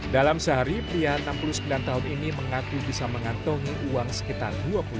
dalam sehari pria enam puluh sembilan tahun ini mengaku bisa mengantongi uang sekitar dua puluh